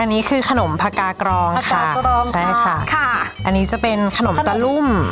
อันนี้คือขนมพากากรองผักกากรองใช่ค่ะค่ะอันนี้จะเป็นขนมตะลุ่ม